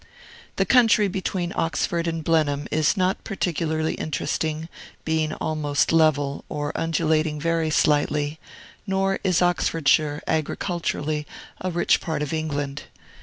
The country between Oxford and Blenheim is not particularly interesting, being almost level, or undulating very slightly; nor is Oxfordshire, agriculturally, a rich part of England.